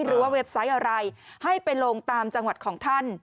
เว็บไซต์อะไรให้ไปลงตามจังหวัดของท่าน